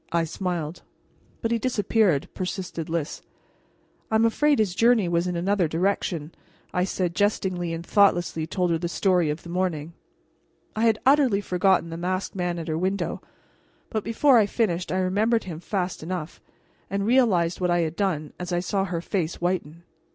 I smiled. "But he disappeared," persisted Lys. "I'm afraid his journey was in another direction," I said jestingly, and thoughtlessly told her the story of the morning. I had utterly forgotten the masked man at her window, but before I finished I remembered him fast enough, and realized what I had done as I saw her face whiten.